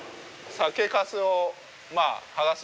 酒かすを剥がす？